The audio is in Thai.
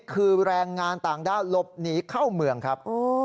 คือแรงงานต่างด้าวหลบหนีเข้าเมืองครับ